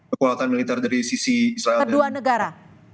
kekuatan militer dari sisi israel dan negara